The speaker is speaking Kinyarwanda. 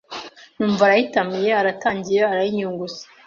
numva arayitamiye, aratangiye arayinyunguse,